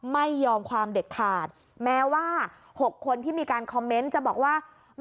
ไม่ยอมความเด็ดขาดแม้ว่า๖คนที่มีการคอมเมนต์จะบอกว่า